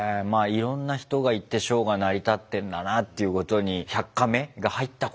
いろんな人がいてショーが成り立ってんだなっていうことに１００カメが入ったことで伝わってきたよね。